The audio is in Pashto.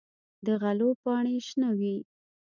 د غلو پاڼې شنه وي.